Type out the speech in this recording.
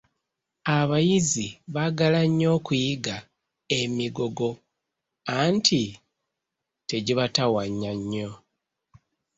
Abayizzi baagala nnyo okuyigga emigogo anti tegibatawaanya nnyo .